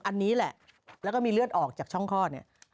อันนี้แหละแล้วก็มีเลือดออกจากช่องคลอดเนี่ย